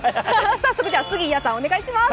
早速、杉谷さん、お願いします。